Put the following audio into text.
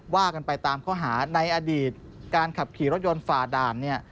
ว่ากันไปตามเข้าหาการขับขี่รถยนต์ฟาดาน